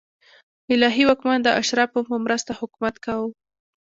الهي واکمن د اشرافو په مرسته حکومت کاوه.